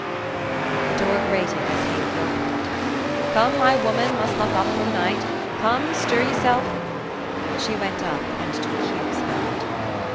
The door grated, as Haley opened it. "Come, my woman! Must lock up for t' night. Come, stir yerself!" She went up and took Hugh's hand.